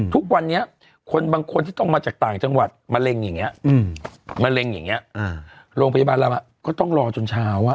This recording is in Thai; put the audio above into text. ทุกวันนี้คนบางคนที่ต้องมาจากต่างจังหวัดมะเร็งอย่างนี้มะเร็งอย่างนี้โรงพยาบาลเราก็ต้องรอจนเช้า